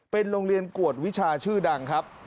เป็นโรงเรียนกวดวิชาชื่อดังครับ